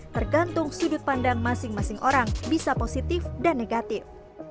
tergantung sudut pandang masing masing orang bisa positif dan negatif